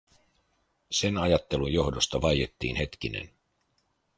Sen ajattelun johdosta vaiettiin hetkinen.